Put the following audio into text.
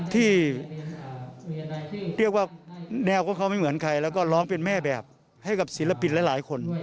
ที่เรียกว่าแนวของเขาไม่เหมือนใครแล้วก็ร้องเป็นแม่แบบให้กับศิลปินหลายคน